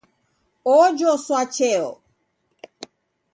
Ojoswa cheo